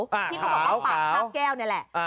ที่เขาบอกว่าปากคาบแก้วนี่แหละ